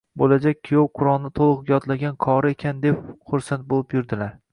Bo‘lajak kuyov Qurʼonni to‘liq yodlagan qori ekan deb xursand bo‘lib yurdilar.